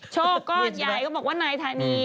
โชว์ก้อนยายก็บอกว่านายธานี